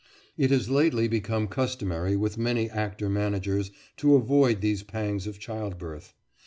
It has lately become customary with many actor managers to avoid these pangs of childbirth.